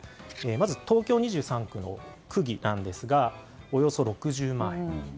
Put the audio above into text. まず東京２３区の区議なんですがおよそ６０万円。